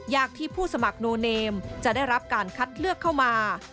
ยากที่ผู้สมัครโนเนมจะได้รับการคัดเลือกเข้ามา